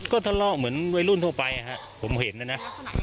ก็ทะเลาะเหมือนวัยรุ่นทั่วไปผมเห็นนะนะ